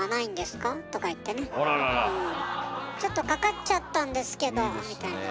「ちょっとかかっちゃったんですけど」みたいな。